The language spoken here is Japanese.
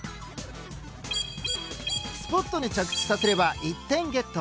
スポットに着地させれば１点ゲット。